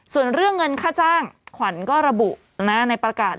ส่วนเรื่องเงินค่าจ้างขวัญก็ระบุในประกาศ